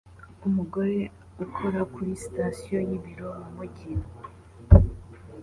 Umugore akora kuri sitasiyo y'ibiryo mumujyi